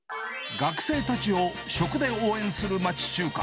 学生たちを食で応援する町中華。